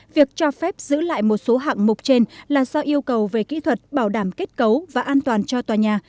việc cho phép giữ lại một số hạng mục trên là do yêu cầu về kỹ thuật bảo đảm kết cấu và an toàn cho tòa nhà